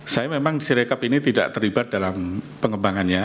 saya memang sirekap ini tidak terlibat dalam pengembangannya